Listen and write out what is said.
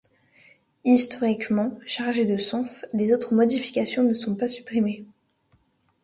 Historiquement chargées de sens, les autres modifications ne sont pas supprimées.